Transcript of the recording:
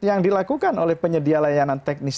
apa yang dilakukan oleh penyedia jasa layanan teknis